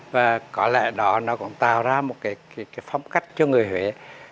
và có lẽ đó nó cũng tạo ra một cái phong cách cho người huế